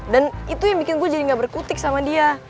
dan itu yang bikin gue jadi gak berkutik sama dia